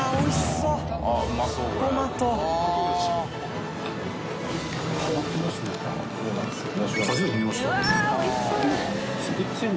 うわっおいしそうだ！